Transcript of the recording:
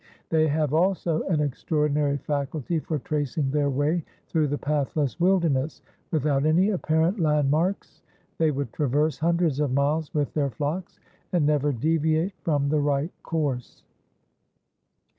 They have also an extraordinary faculty for tracing their way through the pathless wildernesses. Without any apparent landmarks they would traverse hundreds of miles with their flocks, and never deviate from the right course.